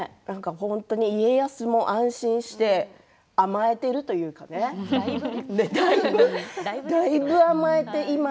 家康も安心して甘えているというかねだいぶ甘えて。